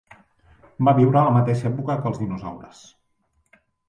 Va viure a la mateixa època que els dinosaures.